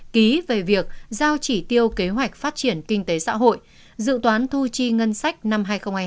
ký về việc giao chỉ tiêu kế hoạch phát triển kinh tế xã hội dự toán thu chi ngân sách năm hai nghìn hai mươi